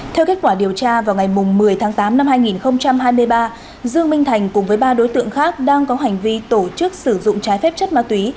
theo kết quả điều tra vào ngày một mươi tháng tám năm hai nghìn hai mươi ba dương minh thành cùng với ba đối tượng khác đang có hành vi tổ chức sử dụng trái phép chất ma túy